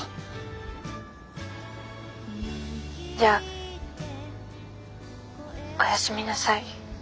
じゃあおやすみなさい。